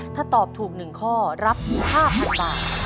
ถ้าตอบถูก๑ข้อรับ๕๐๐๐บาท